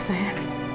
sebentar ya sayang